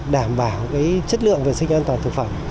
đảm bảo chất lượng vệ sinh an toàn thực phẩm